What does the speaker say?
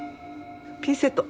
ピンセット。